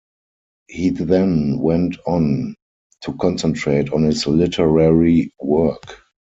He then went on to concentrate on his literary work.